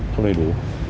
không đầy đủ